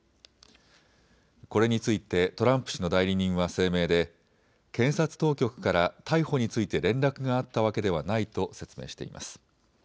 これについてトランプ氏の代理人は声明で検察当局から逮捕について連絡があったわけではないと説明しています。